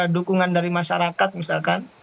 dukungan dari masyarakat misalkan